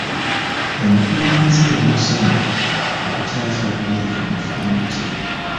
Omukulembeze yali musanyufu okukyaza Abamerica mu kitundu kye.